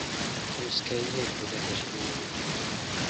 تروسکایییەک بوو لە گەشبینی